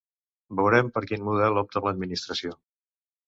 Veurem per quin model opta l’administració.